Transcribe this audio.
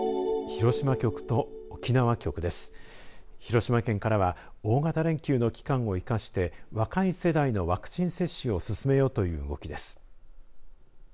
広島県からは大型連休の期間を生かして若い世代のワクチン接種を進めようという動きです。